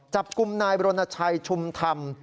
จับกลุ่มนายบรณชัยชุมธรรม